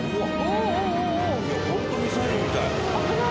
いやホントミサイルみたい。